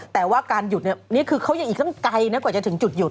แต่ว่าการหยุดเนี่ยนี่คือเขายังอีกตั้งไกลนะกว่าจะถึงจุดหยุด